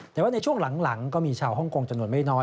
แต่ว่าในช่วงหลังก็มีชาวฮ่องกงจำนวนไม่น้อย